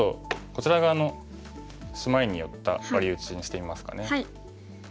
こちら側のシマリに寄ったワリウチにしてみますかね。